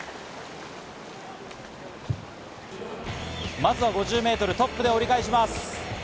まずは５０ｍトップで折り返します。